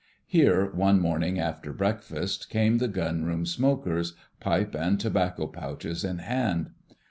Here, one morning after breakfast, came the Gunroom Smokers, pipe and tobacco pouches in hand.